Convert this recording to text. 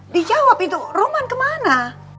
dijawab itu roman kemana